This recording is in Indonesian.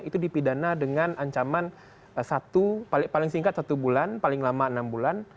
itu dipidana dengan ancaman satu paling singkat satu bulan paling lama enam bulan